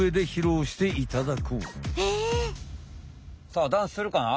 さあダンスするかな？